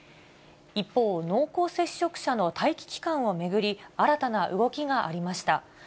一方、濃厚接触者の待機期間を巡り、新たな動きがありました。